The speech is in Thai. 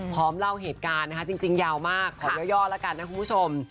พร้อมเล่าเหตุการณ์จริงยาวมากขอเยอะย่อละกันนะคุณผู้ชม